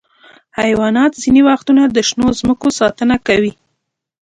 حیوانات ځینې وختونه د شنو ځمکو ساتنه کوي.